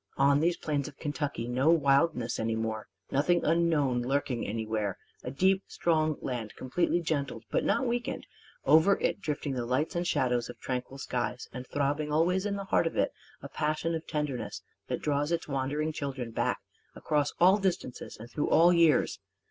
On these plains of Kentucky no wildness any more, nothing unknown lurking anywhere: a deep strong land completely gentled but not weakened; over it drifting the lights and shadows of tranquil skies; and throbbing always in the heart of it a passion of tenderness that draws its wandering children back across all distances and through all years.